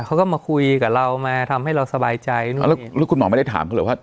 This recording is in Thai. เขาก็มาคุยกับเรามาทำให้เราสบายใจด้วยแล้วคุณหมอไม่ได้ถามเขาเหรอว่า